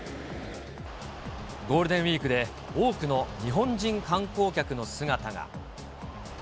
ゴールデンウィークで、多くの日本人観光客の姿が。